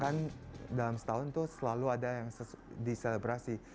kan dalam setahun itu selalu ada yang diselebrasi